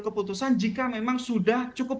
keputusan jika memang sudah cukup